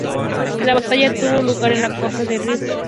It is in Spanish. La batalla tuvo lugar en la costa del Rif.